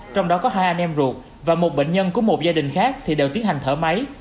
trong đó có hai anh em ruột và một bệnh nhân của một gia đình khác thì đều tiến hành thở máy